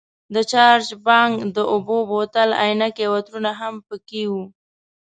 د چارج بانک، د اوبو بوتل، عینکې او عطرونه هم پکې وو.